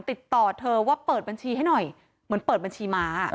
ติดต่อเธอว่าเปิดบัญชีให้หน่อยเหมือนเปิดบัญชีม้า